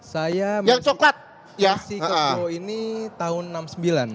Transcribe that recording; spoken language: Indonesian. saya mercy kebo ini tahun enam puluh sembilan